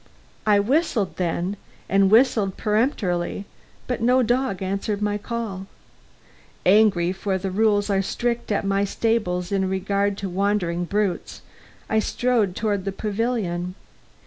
I whistled then, and whistled peremptorily; but no dog answered my call. Angry, for the rules are strict at my stables in regard to wandering brutes, I strode toward the pavilion.